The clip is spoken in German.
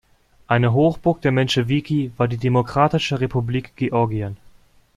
Eine Hochburg der Menschewiki war die "Demokratische Republik Georgien".